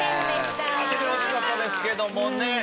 当ててほしかったですけどもね。